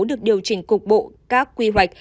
được điều chỉnh cục bộ các quy hoạch